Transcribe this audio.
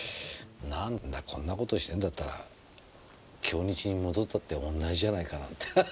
なんだこんな事してんだったら京日に戻ったって同じじゃないかなって。